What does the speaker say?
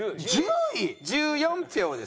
１４票です。